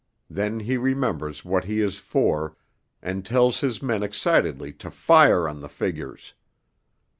Then he remembers what he is for, and tells his men excitedly to fire on the figures.